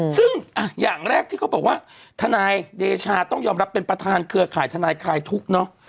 ซึ่งอย่างแรกที่เขาบอกว่าทนายเดชาต้องยอมรับเป็นประธานเครือข่ายทนายคลายทุกข์เนาะ